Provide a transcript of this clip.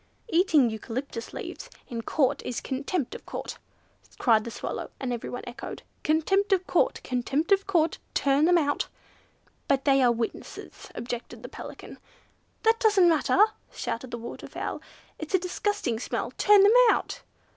"Eating eucalyptus leaves in Court is contempt of Court," cried the Swallow and everyone echoed, "Contempt of Court! Contempt of Court! Turn them out!" "But they are witnesses," objected the Pelican. "That doesn't matter!" shouted the Waterfowl, "It's a disgusting smell! Turn them out!"